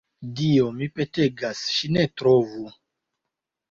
Dio, mi petegas, ŝi ne trovu!